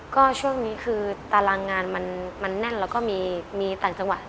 ก็ช่วงนี้คือตารางงานมันแน่นแล้วก็มีต่างจังหวัด